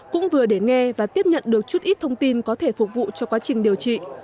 cũng vừa để nghe và tiếp nhận được chút ít thông tin có thể phục vụ cho quá trình điều trị